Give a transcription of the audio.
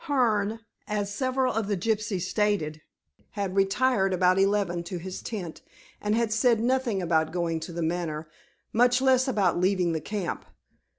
Hearne, as several of the gypsies stated, had retired about eleven to his tent and had said nothing about going to The Manor, much less about leaving the camp.